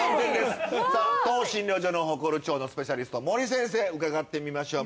さあ当診療所の誇る腸のスペシャリスト森先生伺ってみましょう。